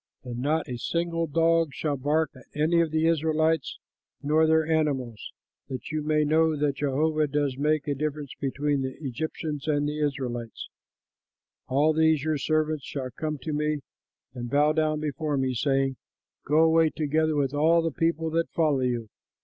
But not a single dog shall bark at any of the Israelites nor their animals, that you may know that Jehovah does make a difference between the Egyptians and Israelites. All these your servants shall come to me and bow down before me, saying, 'Go away, together with all the people that follow you.'